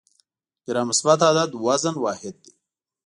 ګرام مثبت عدد د وزن واحد دی.